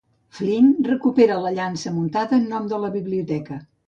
Flynn recupera la llança muntada en nom de la biblioteca.